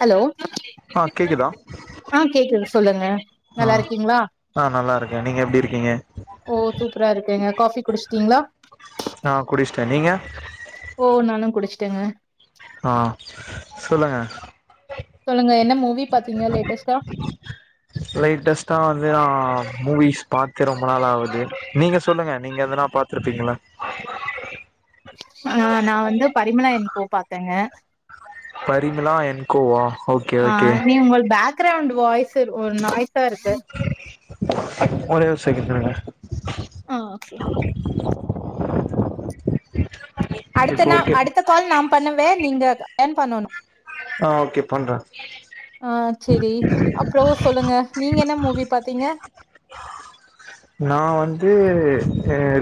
Hello ஆ கேக்குதா ஆ கேக்குது சொல்லுங்க ஆ நல்லா இருக்கீங்களா ஆ நல்லா இருக்கே நீங்க எப்டி இருக்கீங்க ஓ சூப்பரா இருக்கேங்க காஃபி குடிச் கிங்ளா நா குடிஷ்டே நீங்க ட்டங்க ஆ சொல்லுங்க சொல்லுங்க என்ன மூவி பாத்தீங்க லேட்டஸ்டா லைட்டஸ்டா வந்து நா மூவிஸ் பாத்து ரொம்ப நாள் ஆவுது நீங்க சொல்லுங்க நீங்க எதுனா பாத்துருப்பீங்கள ஆ நா வந்து பரிமலா என் கோ பாத்தேங்க பரிமலா என் கோவா ஆ நீ உங்க பேக்கிரௌண்ட் வாய்ஸ் சேரி ஒரு நாய் ட்டா இருக்கு ஒரே ஒ சேகன்ட் இருங்க ஆ ஓகே அடுத்த இப்போ நா ஓகே அடுத்த கால் நா பண்ணுவே நீங்க ஏன் பண்ணனு ஆ ஓகே பண்றே ஆ சேரி அப்புறோ சொல்லுங்க நீங்க என்ன மூவி பாத்தீங்க நா வந்து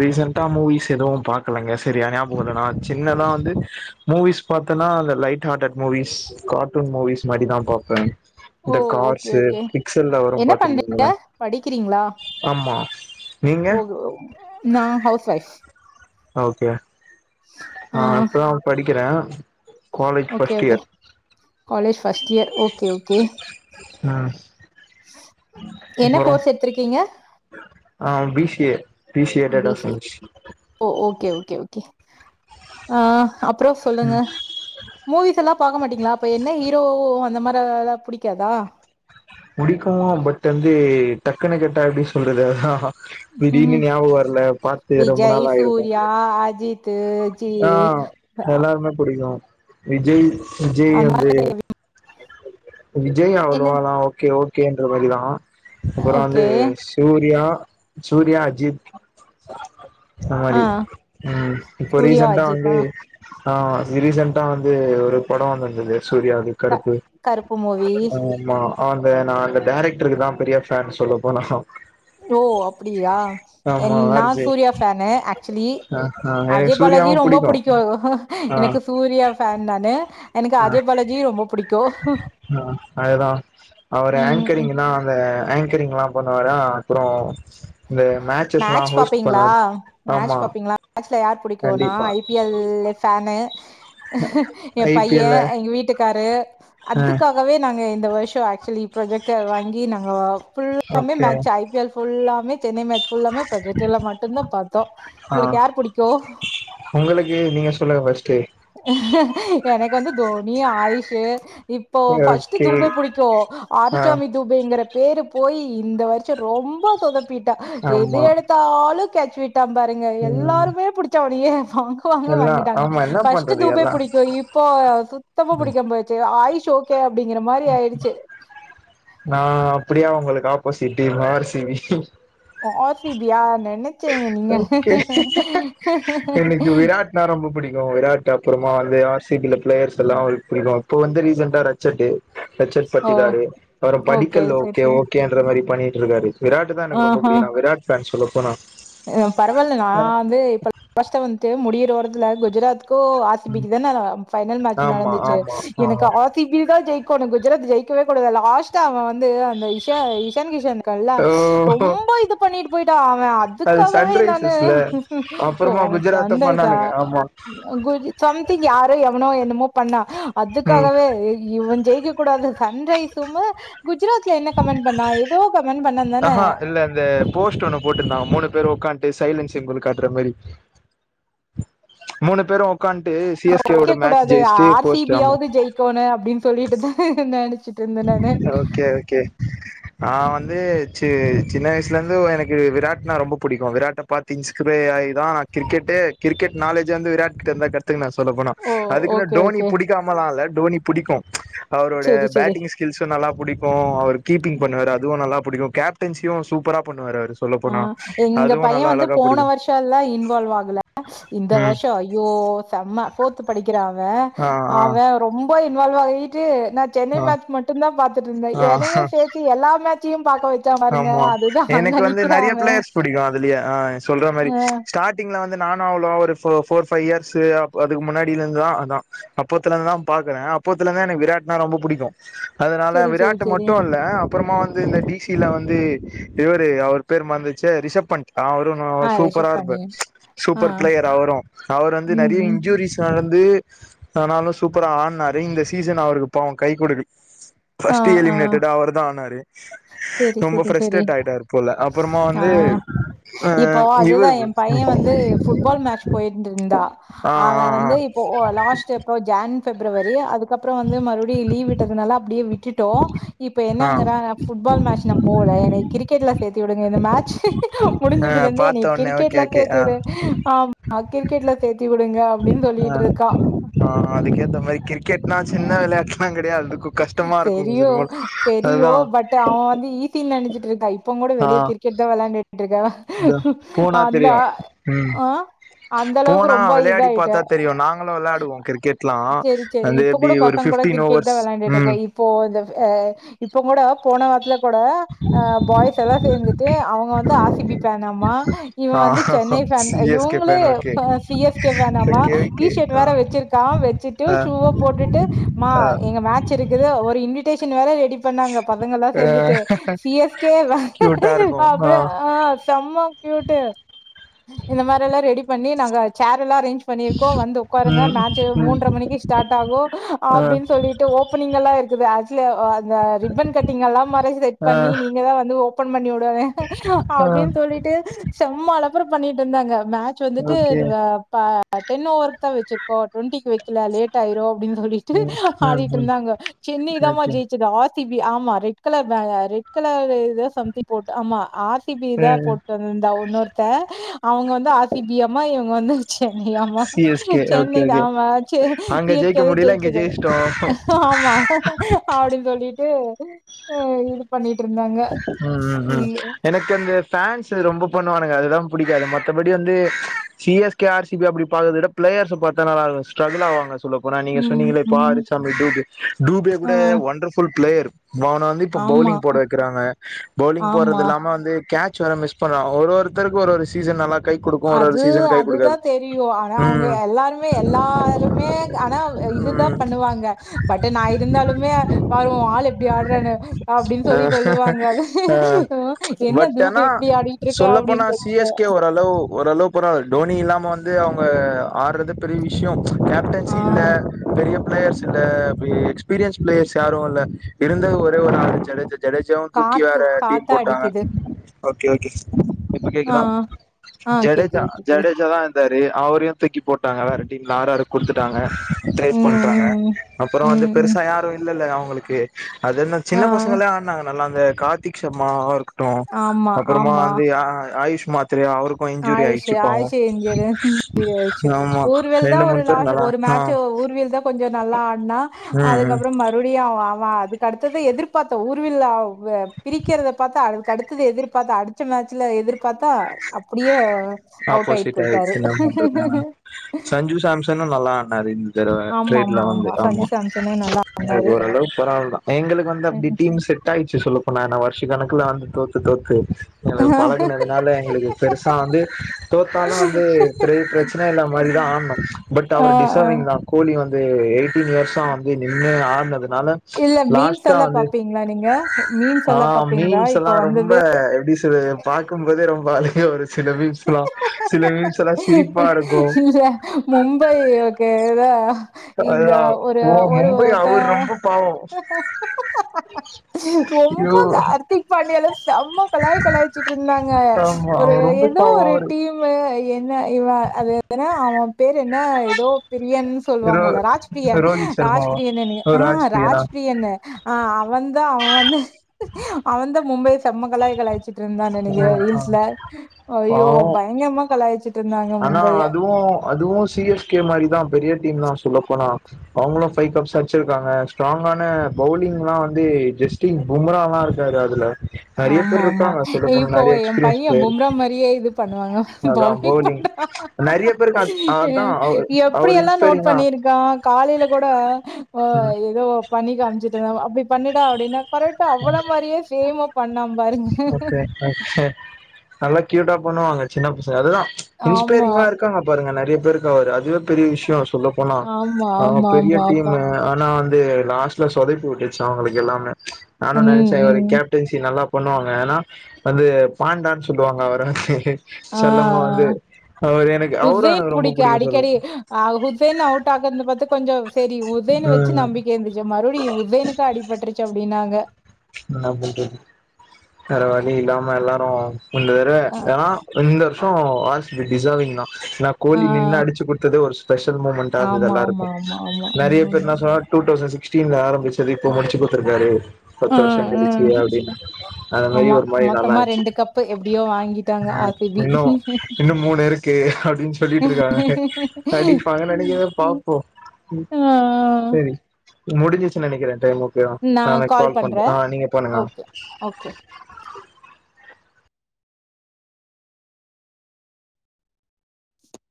ரீசண்டடா மூவிஸ் எதுவு பாக்கலங்க சேரி நியாபகோ இல்ல நா சின்னதா வந்து மூவிஸ் பாத்தன்னா light hearted movies cartoon movies மாரிதா பாப்பே ஓ இந்த ஓகே கார்ஸு ஓகே பிக்சல்லல வரு என்ன பண்றீ பாத்துருக்கீங்களா படிக்கிறீங்களா ஆமா நீங்க ஓ நா ஹவுஸ் வைஃப் ஓகே ஆ இப்பதா அவ படிக்கிறே உ okay okay college first year okay okay நா என்ன கோர்ஸ் எத்திருக்கீங்க ஆ பிசியே பிசியே டேட்டா சயின்ஸ் ஓ ஓகே ஓகே ஆஹ் அப்புறம் சொல்லுங்க ம் மூவிஸ் எல்லாம் பார்கக்க மாட்டீங்களா அப்ப என்ன ஹீரோ அந்த மாதிரி ம் அதெல்லாம் புடிக்காதா புடிக்கு பட் வந்து டக்குனு கேட்டா எப்படின்னு சொல்றது அதான் ரொம்ப விஜய் சூர்யா அஜித் அப்படி ஆஹ் எல்லா புடிக்கும் விஜய் விஜய் அந்த மாதிரி வந்து விஜய் என்ன அவ்வளவாலாம் ஓகே ஓ கே என்ற மாரிதான் அப்புறம் வந்து ஓகே சூர்யா சூர்யா அஜித் இந்த ஆ மாதிரி உம் இப்ப சூர்யா ரீசண்ட்டா வந்து அஜித்தா ஆஹ் ரீசென்டா வந்து ஒரு படம் வந்திருந்தது சூர்யாது க- கருப்பு கருப்பு மூவி ஆ ஆமா அந்த நான் அந்த டேரக்டருக்கு தான் பெரிய ஃபேன் சொல்லப்போனா ஓ அப்படியா என் ஆமா ஆர் நான் ஜே சூர்யா ஃபேனு ஆக்சுவலி ஆ ஆ எனக்கு பாலஜி சூர்யாவு ரொம்ப புடிக்கு பிடிக்கும் ஆ எனக்கு சூர்யா பேன்னானு எனக்கு அஜய் பாலஜி ரொம்ப புடிக்கும் ஹ அதுதான் அவரு ம் ம் ஆங்கரிங் தான் அந்த ஆங்கரிங் எல்லாம் அப்புனா தான் அப்புறம் இந்த மேட்சஸ் மேட்ச் எல்லாம் ஹோஸ்ட் பண்ணது ஆமா ல யார் பிடிக்கும்னா கண்டிப்பா ஐபிஎல் ஃபேனு என் ஐ பி எல் ல பையன் எங்க வீட்டுக்கு காரு ஆ அதுக்காகவே நாங்க என் இந்த வருஷம் ஆக்சுவலி ப்ரொஜெக்டை வாங்கி நாங்க புல்லாமே ஓகே மேட்ச் ஐபிஎல் புல்லாமே சென்னை மேட்ச் ஃபுல்லாமே புரொஜெக்டர்ல மட்டுந்தா பாத்தோ ஆ உங்களுக்கு யார் புடிக்கு உங்களுக்கு நீங்க சொல்லுங்க ஃபர்ஸ்ட்டு என எனக்கு வந்து தோனி ஆயுஷ்சு இப்போ ஃபஸ்ட்டு ஓகே தூபை புடிக்கு ஆ ஆறுச்சாமி தூபைங்குற பேரு போய் இந்த வருஷோ ரொம்போ தொசப் பீட்டா எது ஆமா எடுத்தாலு கேச் விட் ட்டாம் பாருங்க ம் எல்லாருமே புடுச்சா நியே வாங்க வாங்க எல்லா வாங்கிட்டாங்க ஆமா என்ன ஃபஸ்ட்டு பண்றது தூபே எல்லா புடிக்கு இப்போ சுத்தமா புடிக்காம போச்சு ஆயிஷ் ஓகே அப்படிங்கிற மாரி ஆயிடுச்சு. நா அப்டியா உங்களுக்கு ஆப் போ சிட் டீம் ஆர் சிவி [unintelligible] நீங்க. எனக்கு விராட்னா ரொம்ப புடிக்கு விராட் அப்புறமா வந்து ஆர் சிபில பிளேயர்ஸ் எல்லா புடிக்கு இப்போ வந்து ரீசன்டா ரச்சட்டு ரட்சட் ஓ! [unintelligible] அவரு படிக்கல்லோ சரி, ஓகே சரி. ஓகேன்ற மாரி பண்ணி விட்ருவாரு விராட்டு தா எனக்கு ரொம்ப ஆஹா. புடிக்கு நா விராட் சார்ன் சொல்ல போனா பரவால்ல நா வந்து இப்ப லாஸ்டா வந்து முடிய ல வருதுல குஜராத் கோ ஆர் சி பிக்கு தான பைனல் மேட்ச் ஆமா நடந்துச்சு ஆமா எனக்கு ஆமா ஆர் சி பி தா ஜெயிக் கொனு குஜராத் ஜெயிக்கவே கூடாது லாஸ்ட்டா அவ வந் வந்து அந்த இஷா இஷன் கிஷன் இருக்கான்ல்ல ஓ ரொம்ப இது பண்ணிட்டு போய்ட்டா அவ அது க்காகவே நானு சன்ரைசஸ்ல ஓ அப்புறமா அவ குஜராத்த சன்ரைசா பண்ணானுங்க ஆமா அந்த குஜு சம்திங் யாரோ எவ்னோ என்னமோ பண்ணா ம் அதுக்காகவே இ இவஞ் செய் க்கக் கூடாது சன்ரைஸுமு குஜராத்ல என்ன கமெண்ட் பண்ணா எ தோ க அஹா இல்ல இந்த போஸ்ட் ஒண்ணு போட்டிருந்தா மூணு பேரு உக்கான்ட்டு சைலன்ட் சிம்பல் காட்ற மாரி மூணு பேரு உக்கான்ட்டு சி எஸ் கேவோட [inaudible] மேட்ச் கூடாது ஜெயிச்சுட்டு ஆர் சி போஸ்ட் பி ஆமா யாவது ஜெயிக்கோணு அப்டின்னு சொல்லிட்டுதா நெனச்சு ஓகே ஓகே ஆ நா வந்து சி சின்ன வயசுலேருந்து எனக்கு வி விராட்னா ரொம்ப புடிக்கு விராட்ட பாத்து இன்ஸ்பயர் ஆயிதா நான் கிரிக்கெட்டே கிரிக்கெட் நாலேஜ் வந்து விராட் கிட்ட இருந்துதா கத்துக்கின சொல்ல போனா ஓ அதுக்குனு ஓகே டோனி ஓகே புடிக்காமலா இல்ல டோனி புடிக்கு அவரோடைய சேரி சேரி பேட் கில்சு நல்லா புடி க்கு அவரு கீப்பிங் பண்ணுவாரு அதுவு நல்லா புடிக்கு கேப்டன்சியு சூப்பரா பண்ணுவாரு அவரு சொல்ல ஆ போனா எங்க அதுவு பைய நல்லா வந்து அழகா போன புடிக்கு வர்ஷோலா இன்வால்வ் ஆகல இந்த ம் வர்ஷோ ஐயோ செம. ஃபோர்த்து படி கிறா அவ ஆ ஆ அவே ரொம் ப இன்வால்வ் ஆயிட்டு நா சென்னை ஆ மேட்ச் மட்டும்தா பாத்துட்டுருந்தே ஆ என்னையு ஆ சேத்தி எல்லா மேட்சையும் பாக்க வெச்சா பாருங்க அதுதா அங்க நி ட்டு நெறைய பிளேயர்ஸ் பிடிக்கு அதுலயே ஆ சொல்ற மாரி ஆ ஸ்டார்ட்டிங்ல வந்து நானு அவ்ளோ ஒரு ஃபோ ஃபோர் ஃபைவ் இயர்ஸு அப் அதுக்கு முன்னாடில இருந்துதா அதா அப்போத்துல இருந்துதா பாக்குறே அப்பத்துல இருந்தே எனக்கு விராட்னா ரொம்ப புடிக்கு. அதனால சேரி சேரி விராட்டு சேரி மட்டு இல்ல அ அப்றமா வந்து இந்த டி சி ல வந்து இவரு அவர் பேர் மறந்துருச்சே ரிஷப் பண்ட் அவரு நல்லா ஆ சூப்பரா ரிஷப் பண்ணி இருப்பாரு ஆ சூப்பர் பிளேயர் அவரு அவர் வந்து ம் நெறைய ம் இன்ஜுரீஸ் நடந்து ஆனாலு சூப்பரா ஆன்னாரு இந்த சீசன் அவருக்கு பாவ கை குடுக். ஃபஸ்ட் எலிமினேட்டட் அவருதா ஆனரு. செரி செரி செரி செரி அப்புறமா சரி ஆ வந்து அ இப்போ அதுதா இவரு எ பையன் வந்து ஃபுட்பால் மேட்ச் போயிட்ருந்துருந்தா ஆ அவ ஆ வந்து ஆ இப்போ ஓ லாஸ்ட்டு எப்ப ஜான் பிப்ரவரி அதுக்கப்பறோ வந்து மறுபடியும் லீவ் விட்டதுனால அப்டியே விட்டுடோ இப்ப ஆ என்னங்குறா நா ஃபுட்பால் மேட்ச் நா போகல என கிரிக்கெட் ல சேத் விடுங்க இந்த மேட்ச்சு ஆ முடிஞ்சதுந்துலா இருந்து எனே பாத்த ஒன்னே ஓகே கிரிக்கெட்லா ஓகே தேத்தி ஆ விடு ஆம்மா அது கிரிக்கேட்ல சேத் த்தி விடுங்க அப்டினு சொல்லிட்டு இருக்கா.. இப்ப கிரிக்கெட்ன சின்ன விளையாட்டலா கெடையாது கஷ்டமா இருக்கு கொஞ்ச தெரியு நம்ம தெரியோ அதுதா பட் அவன் வந்து இ தின்ன நெனச்சிட்டு இருக்க இப் இப்ப கூட வெளிய கிரிக்கெட தா விளாண்ட து போனா தெரியு ம் ஆ அந்த அளவுக்கு போனா ரொம்ப விளையாடி இதாயிட்ட பாத்தா தெரியு நாங்களு விளையாடுவோ கிரிக்கெட் எல்லா செரி செரி அது இப்ப எப்டி கூட ஒரு பசங்க கூட ஃப்டீன் கிரிக்கெட் தா ஓவர்ஸ் வெளாண்டுட்டு ம் இப்போ இந்த அ இப்போ கூட போன வாரத்துல கூட ஆ பாய்ஸ் எல்லா சேர்ந்துட்டு அவங்க வந் ஆசிபி பேன்னா மா இவ ஆ வந்து சென்னை ஃபேன் சி தா எஸ் கே இவுங்களே ஃபேன் ஓகே பா சிஎஸ்கே ஃபேன்ன மா ஓகே டி ஓகே ஷர்ட் ஆ வேற வெச்சிருக்கா வச்சுட்டு ஆ ஷூவா போட்டுட்டு மா ஆ இங்க மேட்ச் ஒரு இன்வேட்ட ஷன் வேற இப்ப நாங்க பசங்கலா ஆ சேந்துட்டு சிஎஸ்கே வ கியூட்டா இருக்கு ஆ அப்புற ஆ செம்ம க்யூட்டு இந்த மாரில்லா ரெடி பண்ணி நாங்க சேர இது எல்லா அரேஞ் பண்ணிருக்கோ வந்து ஓக்காருங்க ம் மேட்ச் ம் மூன்ரை மணிக்கு ஸடர்ட் ஆகு ஆ அப்டின் சொல்லிட்டு ஓப் ங்க லா இருக்குது அஜி அ அ அந்த ரிப்பன கட்டிங் எல்லா மறை செட் ஆ பண்ணி நீங்கதா வந்து ஓ பண்ணி விடுவாங்க ஆ அப்டின்னு சொல்லிட்டு செம்ம அலப்பற பண்ணிட்டு இருந்தாங்க மேட்ச் வந்துட்டு ஓகே இந்த பா டென் ஓவருஸ்சா வச்சு ஓ டுவெண்டிக்கு வைக்கல லேட் ஆயிரு அப்டின் சொல்லிட்டு ம் ம் அப்டின் ம் இருந்தாங்க சென்னைதாமா ஓகே ஜெயிச்சுதா சி பி ஆமா ரெட் கலர் ரெட் கலர் எதோ சம்திங் போட்டு ஆமா ஆர்ஸ் சி பி தா ம் போட்டு வந்தா ஒன்னொருத்த அவங்க வந்து ஆர் சி பியாமா இவங் இவங்க வந்து சென்னை ஆமா C S K Chennai okay தா ஓகே ஆமாச்சு அங்க ஜெயிக்க இயற்கையாவோ முடியல இங்க ஜெயிச்சது ஜெயிச்சிட்டோ ஆமா அப்டின் சொல்லி ட்டு அ இது பண்ணிட் ம் ம் ம் எனக்கந்த ஃபேன்ஸ் இதுல ரொம்ப பண்ணுவானுங்க அதுதா புடிக்காது மத்தபடி வந்து C S K R C B அப்டி பாக்கற விட பிளேயர்ஸ பாத்தா நல்லா இருக்கு ஸ்ட்ரகுல் ஆவாங்க சொல்லப் போறா நீங்க ம் சொன்னீங்களே இப்ப ம் ஆறு சாமி டூபே டூபே ஆ கூட ஒண்டர் ஃபுல் பிளேயரு பவுன வந்து இப்ப ஆமா பௌலிங் போட வெக் இருக்குறாங்க பௌலிங் போற்றது ஆமா இல்லாம வந்து கேட்ச் ச்சவேற மிஸ் பண்றா ஒரு ஒருத்தருக்கு ஒரு ஒரு சீசன் நல்லா கை குடுக்கு ஒரு ஒரு அது சீசன் கை அதுதா குடுக்காது தெரியு ஆனா அவங்க ம் எல்லாருமே எல்லாருமே ஆனா இதுதா ம் பண்ணுவாங்க பட்டு நா இருந்தாலுமே பாரு வு ஆளு எப்டி ஆடுறானு அப்டின் ஆ சொல்லி சொல் ஆ பட் தூபு ஆனா இப்டி ஆடிட்டு இருக்க சொல்லப்போனா அப்டின்னு சி சொல்லிட்டு எஸ் கே ஓரளவு ஓரளவுக்கு பரவால்ல டோனி இல்லாம வந்து அவுங்க ஆடுறதே பெரிய விஷ்யோ கேப்டன்சி ஆ இல்ல பெரிய பிளேயர்ஸ் கிட்ட அப்டி எக்ஸ்பீரியன்ஸ் பிளேயர்ஸ் யாரு இல்ல இருந்தா ஒரே ஒரு அடுச்சாலே ஜெ ஜடேசாவு தூக்கி காத்து வேற டீம் காத்தா போட்டாங்க அடிக்குது ஓகே ஓகே இப்ப ஆ கே்கலாம் ஆ ஜடேஜா கேக்குது கேக்குது ஜடேஜாதா இந்த து அவரையு தூக்கி போட்டாங்க வேற டீம்ல ஆறாறு குடுத்துட்டாங்க ட்ரை ம் பண்றாங்க ம் அப்புறோ ம் வந்து ம் ம் பெருசா யாரு இல்லல்ல அவங் அவங்களுக்கு அது என்ன ஆ சின்ன பசங்களா நல்லா அந்த கார்த்திக் சர்மா அவ இருக் ட்டு அப்புறமா அந்து யா ஆயிஷ் ஆயிஷு ஆயிச்சு எஞ்சுரு ஆ ஆமா ஒருவேல தா ரெண்டு ஒரு மூணு பேர் நல்லா ஒரு ஆ மேட்ச ஒர்வியல் தா கொஞ்ச நல்லா ஆடினா ம் ம் அதுக்கப்புறோ மறுபடி ஆவ அ அதுக்கடுத்தத எதிர்பார்த்த ஊர்வில்ல பிரிக்கரத பாத்த அ அதுக்கடுத்தத எதிர்பார்த்த அடுத்த மேட்சல எதிர்ப் பாத்தா அப் ப்படியே ஆப்போசிட் ஆயிருச்சுன பண்றது சஞ்சு சாம்சனு நல்லா ஆடனாரு இந்த தடவ ஆமா ட்ரையின் ல ஆமா வந்து ஆமா சஞ்சு சாம்சனு நல்லா ஆடுனாரு ஓரளவு பரவால தா எங்களுக்கு வந்து அப்டி டீம் செட் ஆய்ச்சு சொல்ல போனா ஷ்ச கணக்கல வந்து தோத்து தோத்து எங்களுக்கு பழகுனதுனால எங்களுக்கு பெருசா வந்து தோத்தாலு வந்து பெரிய பிரச்சன இல்லங்கர மாரி தா ஆடணு பட் ஆ அவர் ஆ டிசர்விங் தா கோலி வந்து தே அ வருஷம் வந்து நின்னு ஆட் அதனால இல்ல மீம்ஸ் லாஸ்டா எல்லா வந்து பாப்பீங்களா நீங்க மீம்ஸ் ஆ எல்லா பாப்பீங்களா மீம்ஸ் எல்லா இப்ப ரொம்ப வந்தது எப்டி சொல்து பாக்கும்போதே ரொம்ப வாழ்க வரெஸ் சில வீய்ஸ் இல்ல மும்பை ஓகே கேதா இந்த அதுதா ஒரு ஓ ஒரு மும்பை ஒருத்த அவர் ரொம்ப பாவோ ரொம்ப ஐயோ ஹர்திக் பாண்டியால செம்ம கலாய் கலாயச்சுட்டு இருந்தாங்க ஆமா ஒரு அவ ஏ ரொம்ப தோ பாவோ ஒரு அவரு டீமு அ என்ன இவ அது எதுன பேர் என்ன ஏதோ பிரியன் ரோ சொல்லுவாங்கள்ள ராஜ்ப்ரயன் ரோஹித் சர்மாவா ராஜ்பியன் ஓ ஆ ராஜ்பிரியனா ராஜ்பியன் ஆ அவந்த அவன் வந்து அவந்த மும்பை செம்ம கலாய் கழாய்ச்ட்டு இருந்து தா ஆ நனைக்கிறே ஆ ரீல்ஸ்ல ஐயோ பாவோ பயங்கரமா கலாயச்சிட்டு ஆனா அதுவு அதுவு சிஎஸ்கே மாரிதா பெரிய பெரிய டீம் தா சொல்ல போனா அவங்களு ஃபைவ் கப்ஸ் அடிச்சிருக்காங்க ஸ்ட்ராங்கான பவுலிங்லா வந்து ஜஸ்பிரிட் பூம்ராலா இருக்காரு அதுல நெறைய ஆமா பேர் ஆமா இருக்காங்க சொல்ல போனா இப்போ நெறைய எ எக்ஸ்பீரியன்ஸ் பையன் பிளேயர் பும்ரா மாரியே இது பண்ணுவாங்க பவுலிங் பண்ண நெறைய பேருக்கு அது அதா அவ அவர் எப்படிய எல்லா நோட் இன்ஸ்பைரிங்கா பண்ணிருக்கா காலையில கூட ம் ஏதோ பண்ணி காமிச்சுட்டு அப்பி பண்ணுடா அப்பிடின்னா கரெட்டா அவர மாரியே சேம்மா ஓகே நல்லா க்யூட்டா பண்ணுவாங்க சின்ன பசங்க அதுதா ஆமா, இன்ஸ்பேரிங்கா இருக்காங்க பாருங்க நெறை டேயா பேருக்கு அவரூ அதுவே பெரிய விஷயோ சொல்ல போனா ஆமா, ஆ ஆமா, பெரிய ஆமா, டீம் ஆமா. ஆனா ந் து லாஸ்ட்ல சொதப்பிவுட்டுச்சி அவங்களுக்கு எல்லாமே நானு ம், நெனச்சே ஒரு ம். கேப்டன்சி நல்லா பண்ணுவாங்க ஏன்னா வந்து பாண்டான்னு சொல்லுவாங்க அவர செல்லமா ஆஆ வந்து அவரு எனக்கு அவரு ஹூசைன் எனக்கு ரொம்ப புடிக்கு சொல்லுவ அடிக்கடி ஹுசைன் அவுட் அக்குனது பாத்து கொஞ்சோ சேரி ஹுசைன் வச்சு ம் நம்பிக்கை இருந்துச்சி மறுபடியு ஹுசைன்க்கு அடிபட்ருச்சி பிப்னாங்க ன்னா பண்றது வேற வழி இல்லாம எல்லாரு உண்டு வேற அ ஏன்னா இந்த ச்சோ ஆர் சி பீ டிசர்விங்தா நா ஆ கோலி நின் அடிச்சி குடுத்தது ஒரு ஸ்பெஷல் மூமெண்ட இருந்துது ஆமா ஆமா எல்லாருக்கு ஆமா ஆமா ஆமா நெறைய பேர் ஆமா என்ன சொன்னா டூ தௌசண்ட் சிக் சிக்ஸ்டின்ல ஆரம்பிச்சது இப்போ முடிச்சிகுத்துருக்காரு ஆ பத்து வருஷோ ஆ கழிச்சி அப்பிடின்னு அந்த மாரி ஆமா ஒரு மாரி நல்லா மொத்தமா ஆச்சி கப்பு எப்டியோ வாங்கிட்டாங்க அ ஆர்-சி-பி இன்னும் இன்னும் மூணு இருக்கு அப்பிடின்னு சொல்லிட்டு இருக்காங்க நடிப்பாங்க ம் நெனைக்கிற ம் பாப்போ ஆ சேரி முடிஞ்சிச்சி நெனைக்கிறே டைமு நான் [unintelligible] கால் பண்ற பண்றேன். ஆ நீங்க போண்ணுங்க ஓகே, ஓகே.